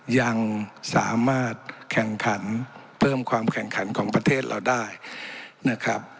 ยังสามารถแข่งขันเพิ่มความแข่งขันของประเทศเราได้นะครับ